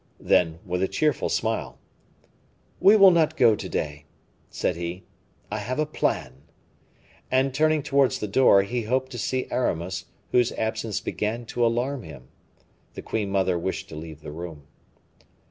Then, with a cheerful smile: "We will not go to day," said he, "I have a plan." And, turning towards the door, he hoped to see Aramis, whose absence began to alarm him. The queen mother wished to leave the room.